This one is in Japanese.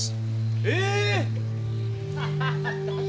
え！